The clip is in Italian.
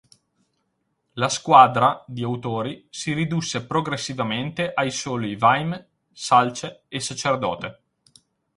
La "squadra" di autori si ridusse progressivamente ai soli Vaime, Salce e Sacerdote.